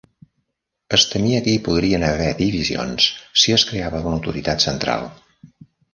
Es temia que hi podrien haver divisions si es creava una autoritat central.